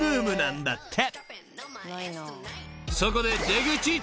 ［そこで］